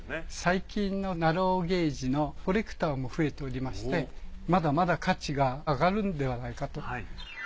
最近ナローゲージのコレクターも増えておりましてまだまだ価値が上がるんではないかと。